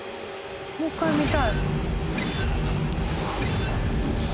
もう１回見たい。